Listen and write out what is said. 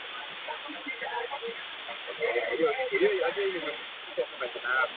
Kabitegeka ate yafundikira ye yeewuunyizza.